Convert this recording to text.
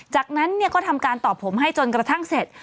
จากนั้นก็ทำการตอบผมให้จนกระทั่งเสร็จ